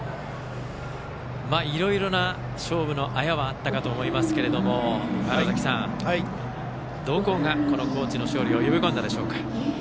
いろいろな勝負のあやはあったかと思いますが川原崎さんどこが、この高知の勝利を呼び込んだでしょうか。